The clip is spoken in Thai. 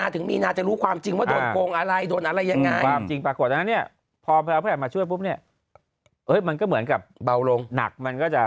ที่จริงประสบกรรมเนี่ยพร้อมแหละมาช่วย๑๒๐๐เนี่ยมันก็เหมือนกับเบาลงอากมันก็จะ